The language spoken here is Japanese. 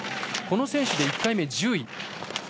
この選手で１回目１０位。